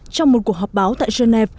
trong một cuộc họp báo tại genève